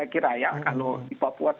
kalau di papua